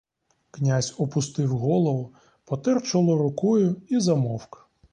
Князь опустив голову, потер чоло рукою і замовк.